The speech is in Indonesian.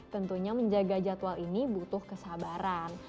tentunya menjaga jadwal ini butuh kesabaran